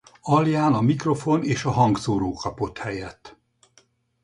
Alján a mikrofon és a hangszóró kapott helyet.